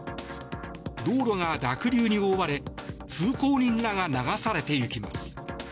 道路が濁流に覆われ通行人らが流されていきます。